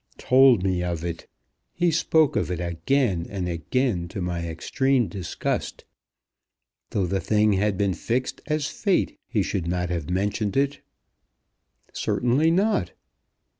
"Told me of it! He spoke of it again and again to my extreme disgust. Though the thing had been fixed as Fate, he should not have mentioned it." "Certainly not."